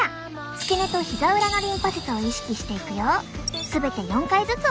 付け根とひざ裏のリンパ節を意識していくよ。